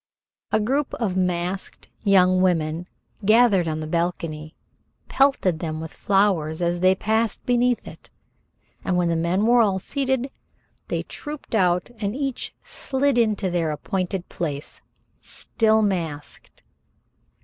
A group of masked young women, gathered on the balcony, pelted them with flowers as they passed beneath it, and when the men were all seated, they trooped out, and each slid into her appointed place, still masked.